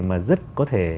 mà rất có thể